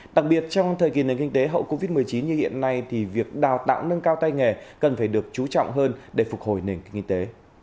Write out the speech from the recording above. đặc biệt trong thời kỳ nền kinh tế hậu covid một mươi chín như hiện nay thì việc đào tạo nâng cao tay nghề cần phải được chú trọng hơn để phục hồi nền kinh tế